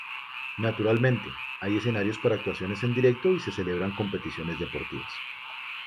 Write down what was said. Naturalmente, hay escenarios para actuaciones en directo y se celebran competiciones deportivas.